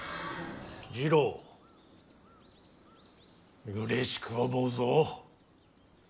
次郎うれしく思うぞ。